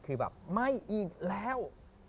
คือแบบไม่อีกแล้ว